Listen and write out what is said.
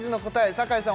酒井さん